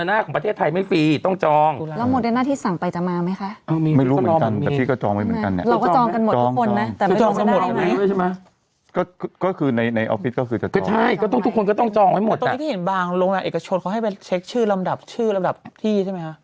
ตอนนี้พี่เห็นบางโรงงานเอกชนเขาให้ไปเช็คชื่อลำดับชื่อลำดับที่ใช่ไหมคะ